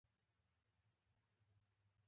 احمده! خوشې د ړانده مخ ته هېنداره مه نيسه.